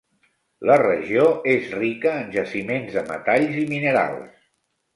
La regió és rica en jaciments de metalls i minerals.